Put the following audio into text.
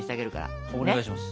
お願いします。